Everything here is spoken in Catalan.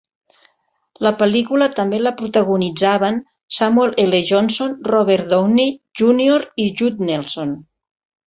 La pel·lícula també la protagonitzaven Samuel L. Jackson, Robert Downey, Junior i Judd Nelson.